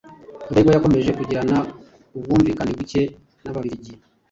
Rudahigwa yakomeje kugirana ubwumvikane buke n'Ababiligi,